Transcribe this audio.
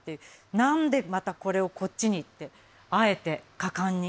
何でまたこれをこっちにってあえて果敢に。